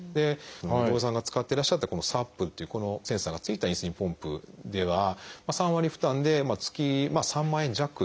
土井さんが使ってらっしゃったこのＳＡＰっていうセンサーがついたインスリンポンプでは３割負担で月３万円弱。